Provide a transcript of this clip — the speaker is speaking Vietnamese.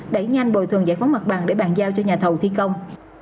đẩy nhanh bồi thường giải phóng mặt bằng để bàn giao cho nhà thầu thi công